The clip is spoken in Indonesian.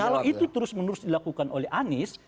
kalau itu terus menerus dilakukan oleh anies